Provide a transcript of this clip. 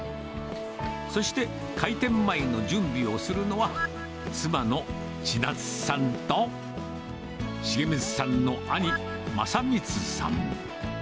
そして、開店前の準備をするのは、妻の千夏さんと、重光さんの兄、正光さん。